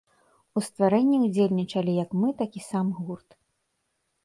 У стварэнні ўдзельнічалі як мы, так і сам гурт.